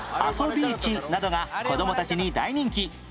びーちなどが子供たちに大人気